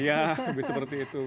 iya lebih seperti itu